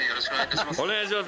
お願いします